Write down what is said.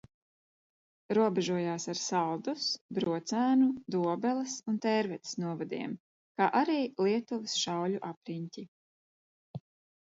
Robežojās ar Saldus, Brocēnu, Dobeles un Tērvetes novadiem, kā arī Lietuvas Šauļu apriņķi.